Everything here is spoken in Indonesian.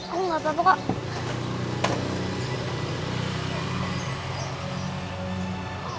aku gak apa apa kok